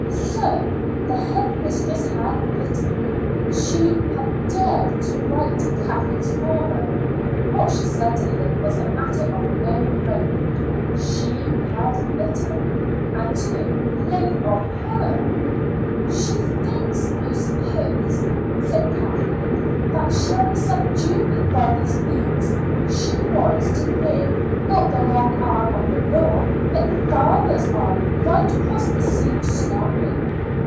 So the head mistress had written; she had dared to write to Kathleen's father. What she said to him was a matter of no moment; she had written, and to complain of her! "She thinks, I suppose," said Kathleen, "that she'll subdue me by these means. She wants to bring, not the long arm of the law, but father's arm right across the sea to stop me.